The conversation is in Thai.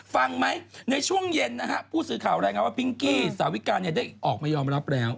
ฟังไหมในช่วงเย็นนะฮะผู้สื่อข่าวรายงานว่าพิงกี้สาวิกาเนี่ยได้ออกมายอมรับแล้ว